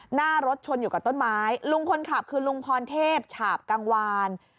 หน้ารถชนอยู่กับต้นไม้ลุงคนขับคือลุงพรเทพฉาบกังวาน